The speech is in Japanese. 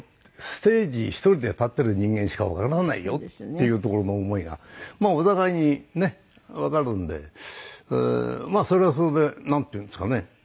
ステージ１人で立ってる人間しかわからないよっていうところの思いがお互いにねわかるんでそれはそれでなんていうんですかね